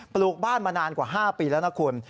ลูกบ้านมานานกว่า๕ปีแล้วนะคุณ